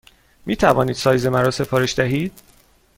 می توانید سایز مرا سفارش دهید؟